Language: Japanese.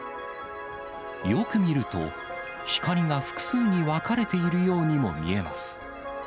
よく見ると、光が複数に分かれているようにも見えます。